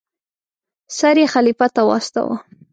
سر یې خلیفه ته واستاوه.